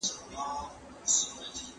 موږ له خپلو تېروتنو څخه نه زده کوو.